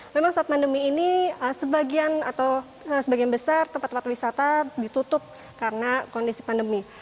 memang saat pandemi ini sebagian atau sebagian besar tempat tempat wisata ditutup karena kondisi pandemi